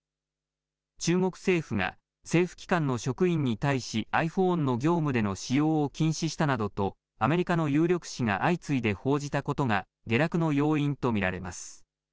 中国政府が政府機関の職員に対しｉＰｈｏｎｅの業務での使用を禁止したなどとアメリカの有力紙が相次いで報じたことが下落の要因と見られます。